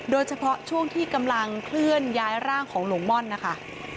โดยเฉพาะช่วงที่กำลังเคลื่อนย้ายร่างของหลวงม่อนนะคะ